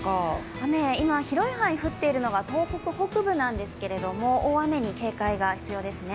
雨は今、広い範囲に降っているのが東北北部なんですけれど大雨に警戒が必要ですね。